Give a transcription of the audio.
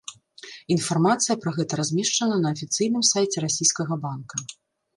Інфармацыя пра гэта размешчана на афіцыйным сайце расійскага банка.